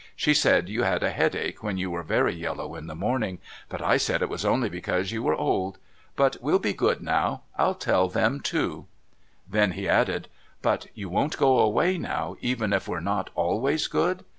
She said you had a headache when you were very yellow in the morning, but I said it was only because you were old. But we'll be good now. I'll tell them too " Then he added: "But you won't go away now even if we're not always good?